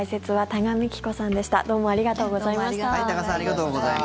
多賀さんありがとうございました。